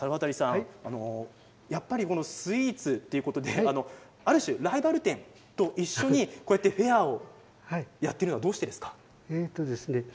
スイーツということである種ライバル店と一緒にフェアをやっているのはどうしてですか？